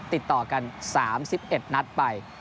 ติดต่อกัน๓๑นัดไป